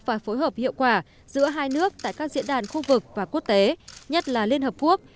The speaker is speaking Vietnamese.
và phối hợp hiệu quả giữa hai nước tại các diễn đàn khu vực và quốc tế nhất là liên hợp quốc